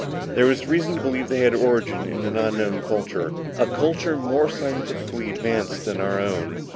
"There was reason to believe they had origin in an unknown culture. A culture more scientifically advanced than our own."